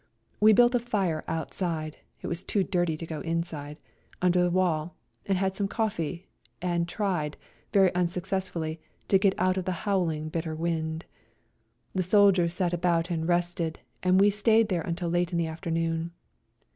We built a fire outside— it was too dirty to go inside — under the wall, and had some coffee, and tried, very unsuccess fully, to get out of the howling, bitter wind. The soldiers sat about and rested, and we stayed there until late in the after noon.